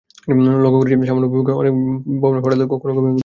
লক্ষ করেছি, সামান্য ভূমিকম্পেই অনেক ভবনে ফাটল ধরে, কখনো কখনো ভেঙে পড়ে।